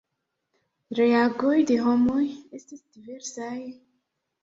Reagoj de homoj estis diversaj.